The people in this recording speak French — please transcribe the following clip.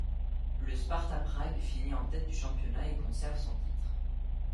Le Sparta Prague finit en tête du championnat et conserve son titre.